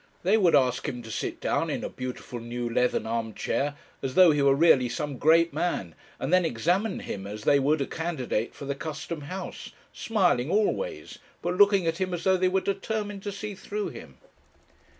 They would ask him to sit down in a beautiful new leathern arm chair, as though he were really some great man, and then examine him as they would a candidate for the Custom House, smiling always, but looking at him as though they were determined to see through him.